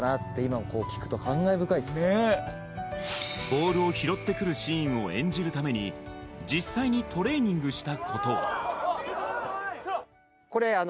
ボールを拾ってくるシーンを演じるために実際にトレーニングしたことはクロ！